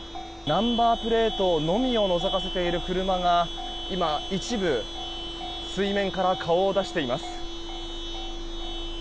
ナンバープレートのみをのぞかせている車が今、一部水面から顔を出しています。